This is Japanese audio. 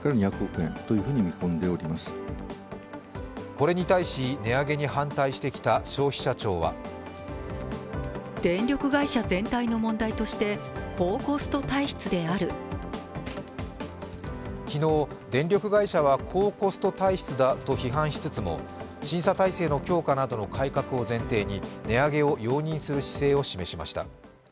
これに対し、値上げに反対してきた消費者庁は昨日、電力会社は高コスト体質だと批判しつつも、審査体制の強化などの改革を前提に値上げを容認する姿勢を示しました。